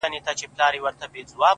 زه نو بيا څنگه مخ در واړومه،